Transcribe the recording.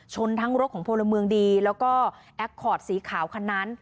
ทั้งรถของพลเมืองดีแล้วก็แอคคอร์ดสีขาวคันนั้น